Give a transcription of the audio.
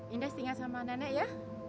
indah setinggal sama nanek ya